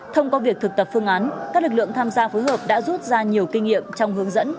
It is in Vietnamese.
thông qua việc thực tập phương án các lực lượng tham gia phối hợp đã rút ra nhiều kinh nghiệm trong hướng dẫn